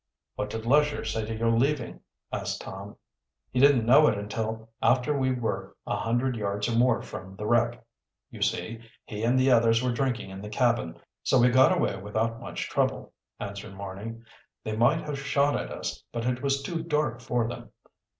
"What did Lesher say to your leaving?" asked Tom. "He didn't know it until after we were a hundred yards or more from the wreck. You see, he and the others were drinking in the cabin, so we got away without much trouble," answered Marny. "They might have shot at us, but it was too dark for them.